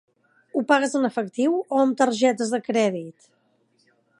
Ho pagues en efectiu o amb targetes de crèdit?